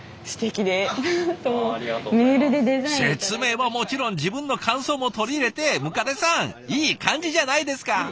説明はもちろん自分の感想も取り入れて百足さんいい感じじゃないですか！